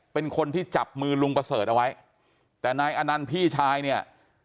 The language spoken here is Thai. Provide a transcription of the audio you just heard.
เป็นคนที่จับมือลุงประเสริฐเอาไว้แต่นายอนันต์พี่ชายเนี่ย